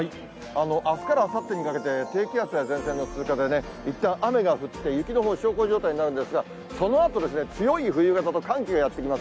あすからあさってにかけて、低気圧や前線の通過でね、いったん雨が降って、雪のほう、小康状態になるんですが、そのあとですね、強い冬型の寒気がやってきます。